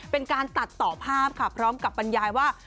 เป็นการตัดต่อภาพค่ะพร้อมกับบรรยายว่า